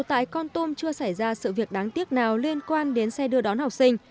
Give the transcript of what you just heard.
tại con tum chưa xảy ra sự việc đáng tiếc nào liên quan đến xe đưa đón học sinh